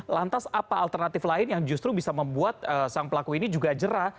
lantas apa alternatif lain yang justru bisa membuat sang pelaku ini juga jerah